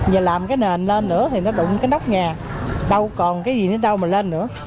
giờ làm cái nền lên nữa thì nó đụng cái nóc nhà đâu còn cái gì đến đâu mà lên nữa